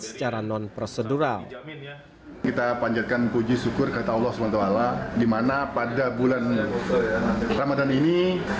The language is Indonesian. secara non prosedural kita panjatkan puji syukur kata allah swt dimana pada bulan ramadan ini